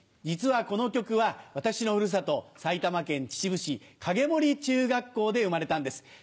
実はこの曲は私のふるさと埼玉県秩父市影森中学校で生まれたんです。